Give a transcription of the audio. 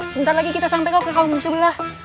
sebentar lagi kita sampai kok ke kaum sebelah